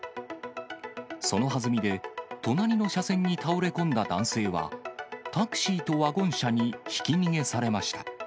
そのはずみで、隣の車線に倒れ込んだ男性は、タクシーとワゴン車にひき逃げされました。